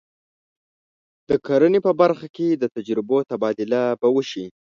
د کرنې په برخه کې د تجربو تبادله به وشي.